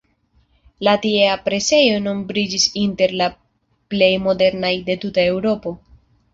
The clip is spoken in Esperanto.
La tiea presejo nombriĝis inter la plej modernaj de tuta Eŭropo.